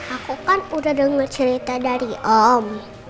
aku kan udah dengar cerita dari om